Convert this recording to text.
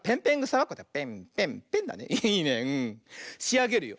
しあげるよ。